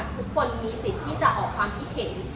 ทุกคนมีสิทธิ์ที่จะออกความคิดเห็น